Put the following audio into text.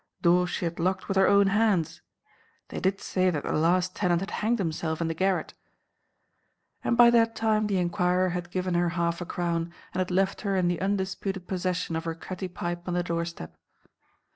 Doors she had locked with her own hands. They did say that the last tenant had hanged himself in the garret. And by that time the enquirer had given her half a crown, and had left her in the undisputed possession of her cutty pipe on the doorstep.